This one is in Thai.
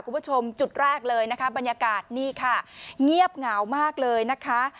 คุณผู้ชมจุดแรกเลยนะคะบรรยากาศนี่ค่ะเงียบเหงามากเลยนะคะ